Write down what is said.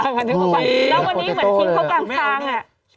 แล้ววันนี้เหมือนทิ้งเขากลางทางอ่ะ